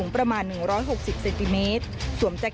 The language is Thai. มีความรู้สึกว่า